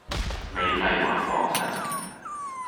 美麗華廣場